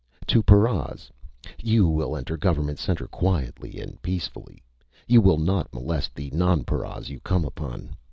To paras: You will enter Government Center quietly and peacefully. You will not molest the nonparas you come upon.